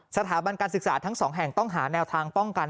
สถาบันการศึกษาทั้งสองแห่งต้องหาแนวทางป้องกัน